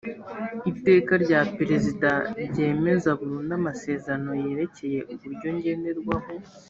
iteka rya perezida ryemeza burundu amasezerano yerekeye uburyo ngenderwaho